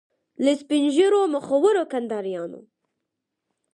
له سپین ږیرو مخورو کنداریانو.